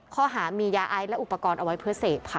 ข้อหามียาไอและอุปกรณ์เอาไว้เพื่อเสพค่ะ